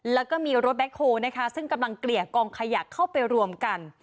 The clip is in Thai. แล้วก็มีรถแบ็คโฮลนะคะซึ่งกำลังเกลี่ยกองขยะเข้าไปรวมกัน